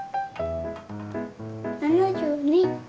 ７２。